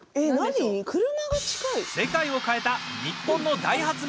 世界を変えたニッポンの大発明！